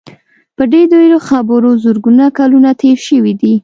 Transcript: په دې ډېرو خبرو زرګونه کلونه تېر شوي دي.